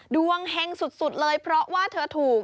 ดวงแห่งสุดเลยเพราะว่าเธอถูก